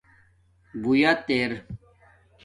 بویت ار